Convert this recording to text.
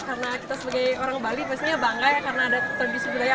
karena kita sebagai orang bali pastinya bangga ya karena ada terbisu budaya